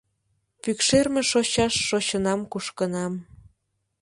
- Пӱкшерме шочаш шочынам-кушкынам.